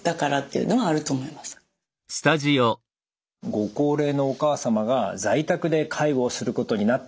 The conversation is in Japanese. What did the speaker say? ご高齢のお母様が在宅で介護をすることになった。